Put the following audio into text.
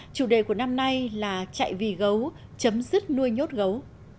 chủ đề của năm nay là chạy vì gấu chấm dứt nuôi nhốt gấu